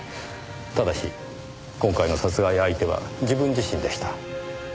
ただし今回の殺害相手は自分自身でした。